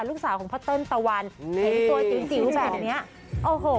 ลูกสาวของพัตเติร์นตะวันนี่ตัวติ๊วแบบนี้โอ้โห